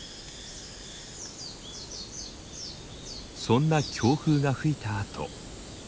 そんな強風が吹いたあと。